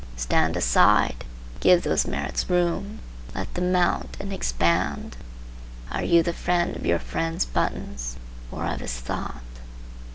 Stand aside; give those merits room; let them mount and expand. Are you the friend of your friend's buttons, or of his thought?